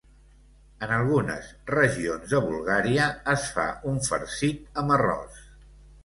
En algunes regions de Bulgària, es fa un farcit amb arròs.